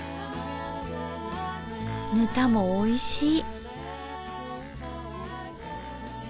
ぬたもおいしい。